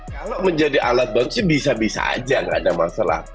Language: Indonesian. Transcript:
kalau menjadi alat bantu sih bisa bisa aja nggak ada masalah